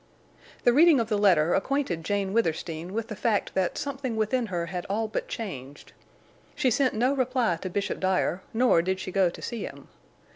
The reading of the letter acquainted Jane Withersteen with the fact that something within her had all but changed. She sent no reply to Bishop Dyer nor did she go to see him.